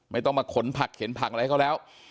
ไม่ต้องมาขนผักเข็นผักอะไรให้เขาแล้ว